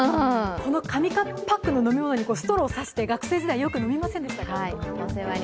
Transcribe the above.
この紙パックの飲み物にストローさして、学生時代、よく飲みませんでした？